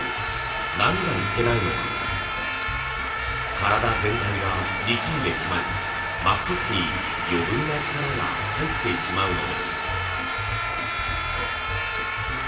体全体が力んでしまい巻く時に余分な力が入ってしまうのです。